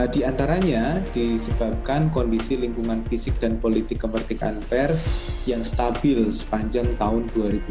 di antaranya disebabkan kondisi lingkungan fisik dan politik kemerdekaan pers yang stabil sepanjang tahun dua ribu dua puluh